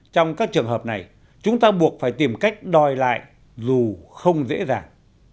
trong các trường hợp này chúng ta buộc phải tìm cách đòi lại dù không dễ dàng